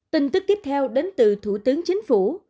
tin tức tiếp theo đến từ thủ tướng chính phủ